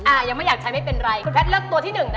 ยังไม่อยากใช้ไม่เป็นไรคุณแพทย์เลือกตัวที่หนึ่งนะ